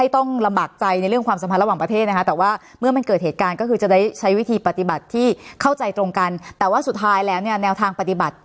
แต่สุดท้ายแล้วแนวทางปฏิบัติ